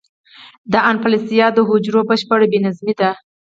د اناپلاسیا د حجرو بشپړ بې نظمي ده.